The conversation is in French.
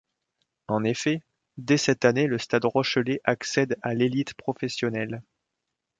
En effet, dès cette année le Stade rochelais accède à l’élite professionnelle.